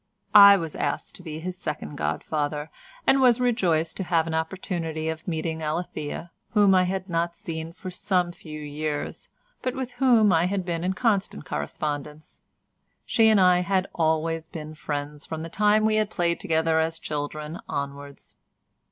I was asked to be his second godfather, and was rejoiced to have an opportunity of meeting Alethea, whom I had not seen for some few years, but with whom I had been in constant correspondence. She and I had always been friends from the time we had played together as children onwards.